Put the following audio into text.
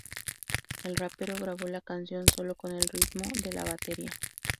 El rapero grabó la canción sólo con el ritmo de la batería.